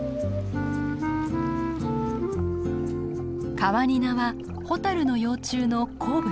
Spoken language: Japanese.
カワニナはホタルの幼虫の好物。